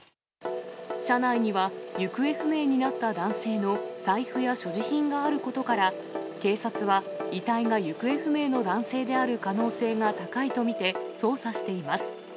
車内には、行方不明になった男性の財布や所持品があることから、警察は遺体が行方不明の男性である可能性が高いと見て、捜査しています。